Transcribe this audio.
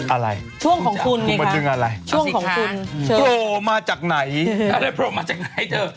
อะไรช่วงของคุณไงค่ะช่วงของคุณโปรมาจากไหนโปรมาจากไหนเถอะ